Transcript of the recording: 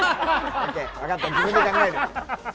わかった、自分で考える。